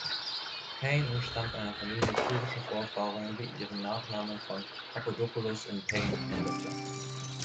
Payne entstammt einer Familie griechischer Vorfahren, die ihren Nachnamen von "Papadopoulos" in "Payne" änderte.